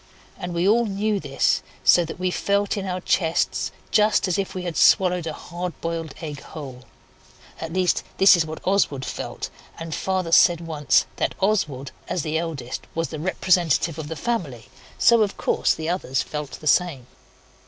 And we all knew this, so that we felt in our chests just as if we had swallowed a hard boiled egg whole. At least, this is what Oswald felt, and Father said once that Oswald, as the eldest, was the representative of the family, so, of course, the others felt the same.